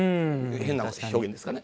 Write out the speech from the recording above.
変な表現ですかね。